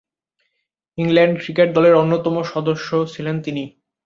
England cricket দলের অন্যতম সদস্য ছিলেন তিনি।